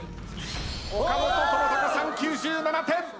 岡本知高さん９７点。